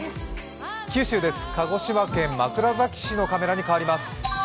九州です、鹿児島県枕崎市のカメラに変わります。